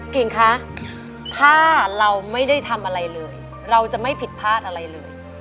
กิ่งคะถ้าเราไม่ได้ทำอะไรเลยเราจะไม่ผิดพลาดอะไรเลย